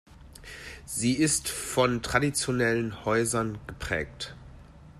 Sie ist von traditionellen Häusern geprägt.